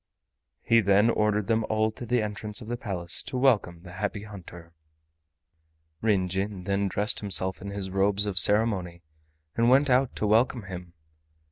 He then ordered them all to the entrance of the Palace to welcome the Happy Hunter. Ryn Jin then dressed himself in his robes of ceremony, and went out to welcome him.